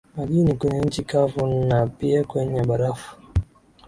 majini kwenye nchi kavu na pia kwenye barafu